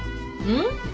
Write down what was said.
うん？